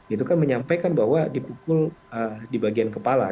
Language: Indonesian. itu kan menyampaikan bahwa dipukul di bagian kepala